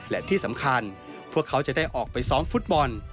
และที่สำคัญพวกเขาจะได้ออกไปซ้อมฟุตบอล